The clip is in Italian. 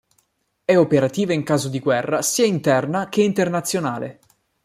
È operativa in caso di guerra sia interna che internazionale.